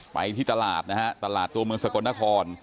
ไปที่ตลาดตัวเมืองสกรนคร